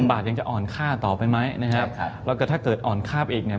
บาทยังจะอ่อนค่าต่อไปไหมนะครับแล้วก็ถ้าเกิดอ่อนค่าไปอีกเนี่ย